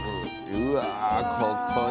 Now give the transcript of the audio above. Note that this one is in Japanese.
うわここに。